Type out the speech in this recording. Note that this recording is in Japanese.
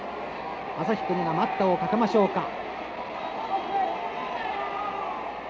旭國が待ったをかけましょうか。